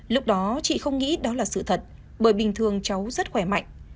lúc đó chị không nghĩ đó là sự thật bởi bình thường cháu rất khỏe mạnh